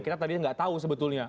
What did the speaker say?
kita tadinya nggak tahu sebetulnya